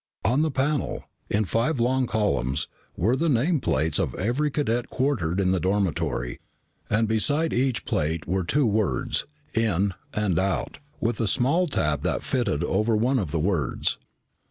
On the panel, in five long columns, were the name plates of every cadet quartered in the dormitory and beside each plate were two words, IN and OUT, with a small tab that fitted over one of the words.